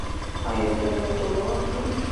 ایا زه باید توبه وکړم؟